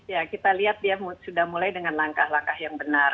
ya kita lihat dia sudah mulai dengan langkah langkah yang benar